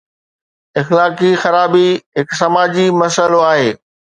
اخلاقي خرابي هڪ سماجي مسئلو آهي.